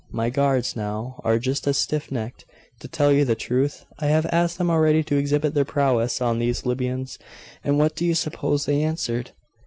My guards, now, are just as stiff necked. To tell you the truth, I have asked them already to exhibit their prowess on these Libyans, and what do you suppose they answered?